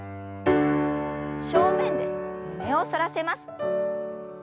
正面で胸を反らせます。